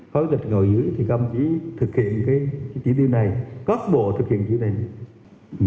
khói tịch ngồi dưới thì cầm chỉ thực hiện cái chỉ tiêu này cấp bộ thực hiện chỉ tiêu này